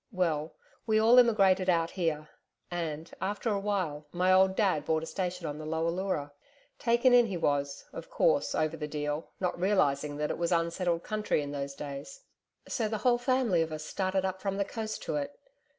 Well, we all emigrated out here, and, after a while, my old dad bought a station on the Lower Leura taken in he was, of course, over the deal, and not realising that it was unsettled country in those days. So the whole family of us started up from the coast to it....